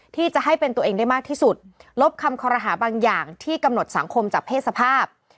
ที่จะให้เป็นตัวเองได้มากที่สุดลบคำคอรหาบางอย่างที่กำหนดสังคมจากเพศสภาพ